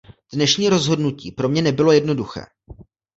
Dnešní rozhodnutí pro mě nebylo jednoduché.